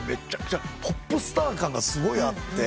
ポップスター感がすごいあって。